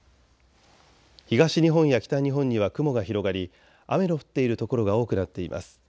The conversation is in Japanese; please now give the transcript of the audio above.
東日本や北日本には雲が広がり雨の降っている所が多くなっています。